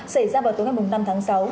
xảy ra vào tối ngày năm tháng sáu